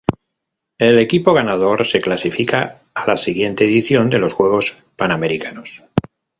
El equipo ganador se clasifica a la siguiente edición de los Juegos Panamericanos.